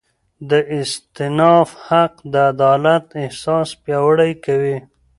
د استیناف حق د عدالت احساس پیاوړی کوي.